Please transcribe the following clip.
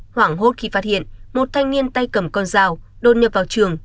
hoảng hốt khi phát hiện một thanh niên tay cầm con dao đột nhập vào trường